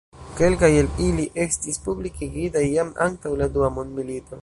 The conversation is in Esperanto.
Kelkaj el ili estis publikigitaj jam antaŭ la dua mondmilito.